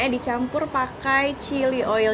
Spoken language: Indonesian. dicampur pakai chili oil